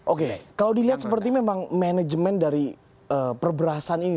oke kalau dilihat seperti memang manajemen dari perberasan ini